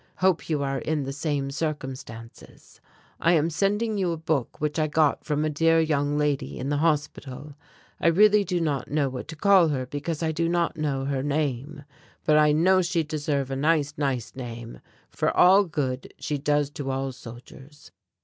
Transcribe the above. Hope you are in the same circumstances. I am sending you a book which I got from a Dear Young Lady, in the Hospital. I really do not know what to call her because I do not know her name, but I know she deserve a nice, nice name for all good She dose to all soldiers.